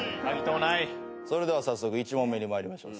それでは早速１問目に参りましょう。